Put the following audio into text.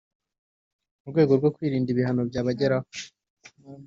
mu rwego rwo kwirinda ibihano byabageraho